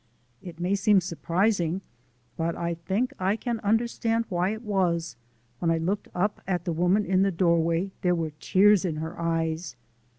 It may seem surprising, but I think I can understand why it was when I looked up at the woman in the doorway there were tears in her eyes!